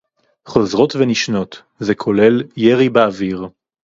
חוזרות ונשנות, זה כולל ירי באוויר